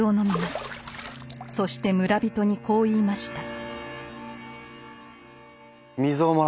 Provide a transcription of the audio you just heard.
そして村人にこう言いました。